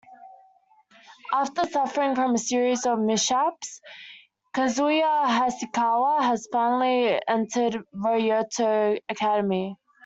After suffering from a series of mishaps, Kazuya Hasekawa has finally entered Ryokuto Academy.